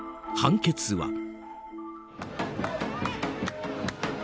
判決は。